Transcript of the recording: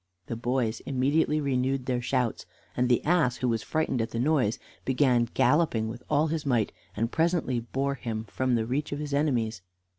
The boys immediately renewed their shouts, and the ass, who was frightened at the noise, began galloping with all his might, and presently bore him from the reach of his enemies.